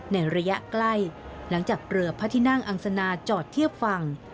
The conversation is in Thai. ในระยะใกล้หลังจากเรือพระที่นั่งอังสนาจอดเทียบฝั่ง